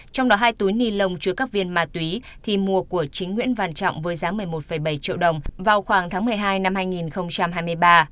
trong đó hai túi ni lông chứa các viên ma túy thì mua của chính nguyễn văn trọng với giá một mươi một bảy triệu đồng vào khoảng tháng một mươi hai năm hai nghìn hai mươi ba